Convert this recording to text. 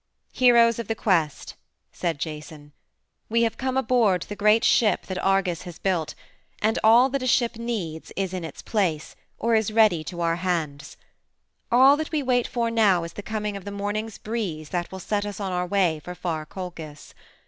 "Heroes of the quest," said Jason, "we have come aboard the great ship that Argus has built, and all that a ship needs is in its place or is ready to our hands. All that we wait for now is the coming of the morning's breeze that will set us on our way for far Colchis.